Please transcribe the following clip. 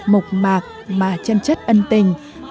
mộc mạc mà chân chất ân tình